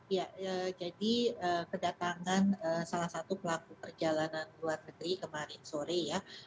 ya jadi kedatangan salah satu pelaku perjalanan luar negeri kemarin sore ya